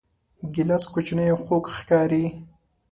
ګیلاس کوچنی او خوږ ښکاري.